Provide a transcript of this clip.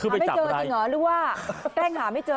หาไม่เจอจริงหรือว่าแป้งหาไม่เจอ